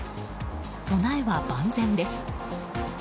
備えは万全です。